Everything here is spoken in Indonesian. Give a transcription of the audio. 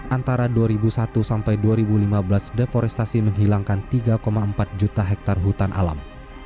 antara dua ribu satu sampai dua ribu lima belas deforestasi menghilangkan tiga empat juta hektare hutan alam